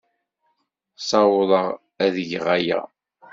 Ssawḍeɣ ad geɣ aya.